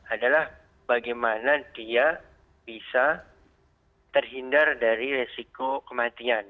adalah bagaimana dia bisa terhindar dari resiko kematian